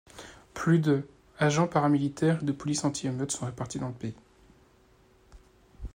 Plus de agents paramilitaires et de police anti-émeute sont répartis dans le pays.